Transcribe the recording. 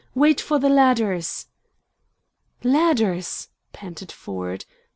"Wait for the ladders!" "Ladders!" panted Ford.